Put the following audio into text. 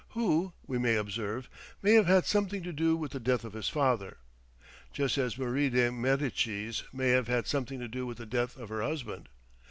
who, we may observe, may have had something to do with the death of his father, just as Marie de Medicis may have had something to do with the death of her husband.